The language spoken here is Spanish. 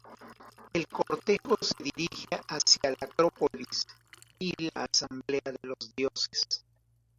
El cortejo se dirige hacia la Acrópolis y la asamblea de los dioses.